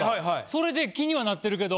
それで気にはなってるけど。